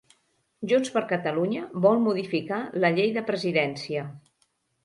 Junts per Catalunya vol modificar la llei de presidència